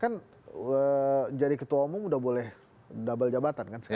kan jadi ketua umum udah boleh double jabatan kan sekarang